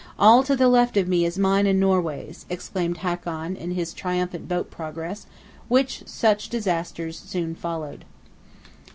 "All to the left of me is mine and Norway's," exclaimed Hakon in his triumphant boat progress, which such disasters soon followed.